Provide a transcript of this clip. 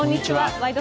「ワイド！